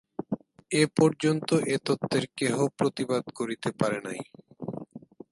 এ পর্যন্ত এ তত্ত্বের কেহ প্রতিবাদ করিতে পারে নাই।